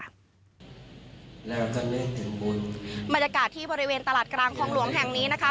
บรรยากาศที่บริเวณตลาดกลางคลองหลวงแห่งนี้นะคะ